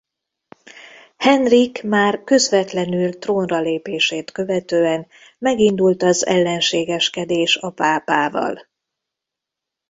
Henrik már közvetlenül trónra lépését követően megindult az ellenségeskedés a pápával.